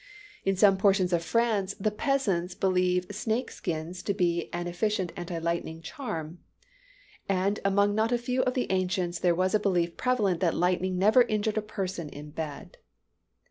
In some portions of France, the peasants believe snake skins to be an efficient anti lightning charm. And among not a few of the ancients there was a belief prevalent that lightning never injured a person in bed.